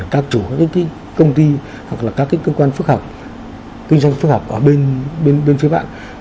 các chủ các cái công ty hoặc là các cái cơ quan phước học kinh doanh phước học ở bên phía bạn